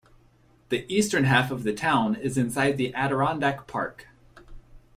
The eastern half of the town is inside the Adirondack Park.